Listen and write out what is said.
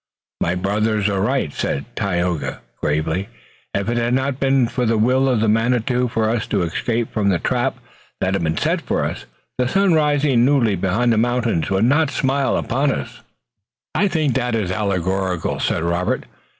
"My brothers are right," said Tayoga gravely. "If it had not been the will of Manitou for us to escape from the trap that had been set for us the sun rising newly behind the mountains would not smile upon us." "I take that as allegorical," said Robert.